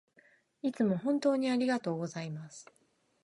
いつも本当にありがとうございます